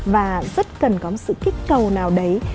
và rất cần có một sự kích cầu này